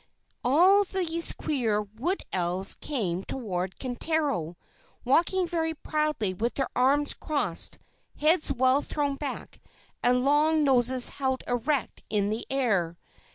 All these queer Wood Elves came toward Kintaro, walking very proudly with their arms crossed, heads well thrown back, and long noses held erect in the air.